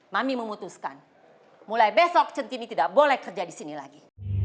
mami memutuskan mulai besok centini tidak boleh kerja di sini lagi